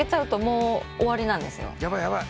やばいやばい！